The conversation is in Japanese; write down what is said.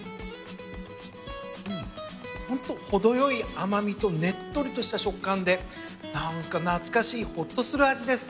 ホント程よい甘味とねっとりとした食感で何か懐かしいほっとする味です。